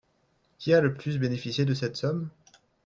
Qui a le plus bénéficié de cette somme?